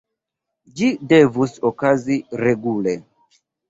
Ĝi devus okazi regule.